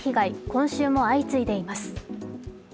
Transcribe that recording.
今週も相次いでいます。